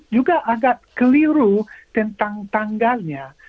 juga agak keliru tentang tanggalnya